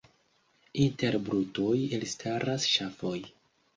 Inter brutoj elstaras ŝafoj.